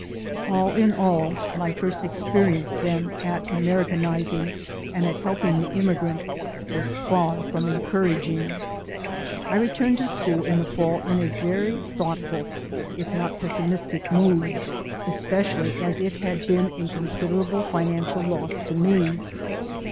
All in all, my first experience then at American izing and at helping the immigrant was far from encouraging. I returned to school in the fall in a very thoughtful, if not pessimistic, mood; especially as it had been a considerable financial loss to me.